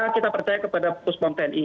kita percaya kepada puspom tni